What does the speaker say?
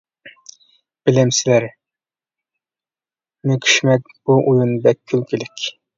بىلەمسىلەر مۆكۈشمەك، بۇ ئويۇن بەك كۈلكىلىك.